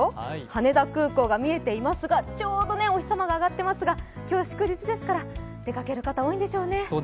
羽田空港が見えてますがちょうどお日様が上がっていますが、今日祝日ですから出かける方、多いんでしょうね。